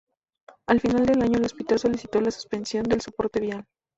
Al final del año, el hospital solicitó la suspensión del soporte vital.